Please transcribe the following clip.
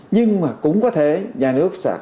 nhưng mà cũng có thể nhà nước sẽ